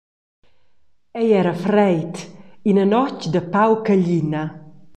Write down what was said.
Ei era freid, ina notg da pauca glina.